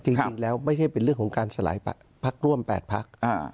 จริงแล้วไม่ใช่เป็นเรื่องของการสลายพักร่วม๘พัก